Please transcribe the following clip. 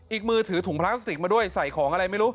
มือถือถุงพลาสติกมาด้วยใส่ของอะไรไม่รู้